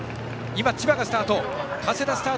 千葉、スタート。